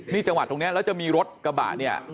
นี่จังหวัดตรงนี้แล้วจะมีรถกระบะเนี่ย